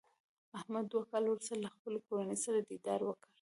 احمد دوه کاله ورسته له خپلې کورنۍ سره دیدار وکړ.